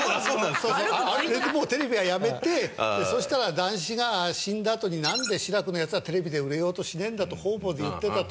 それでもうテレビはやめてそしたら談志が死んだあとになんで志らくのヤツはテレビで売れようとしねえんだと方々で言ってたと。